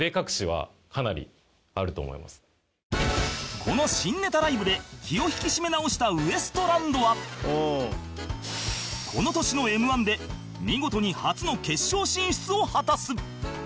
この新ネタライブで気を引き締め直したウエストランドはこの年の Ｍ−１ で見事に初の決勝進出を果たす